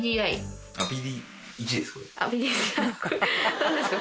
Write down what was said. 何ですか？